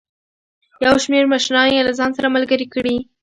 یو شمېر مشران یې له ځان سره ملګري کړي.